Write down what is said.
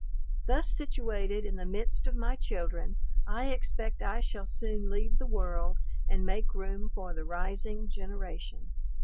Thus situated in the midst of my children, I expect I shall soon leave the world, and make room for the rising generation.